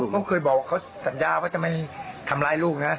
เขาเคยบอกว่าเขาสัญญาว่าจะไม่ทำร้ายลูกนะ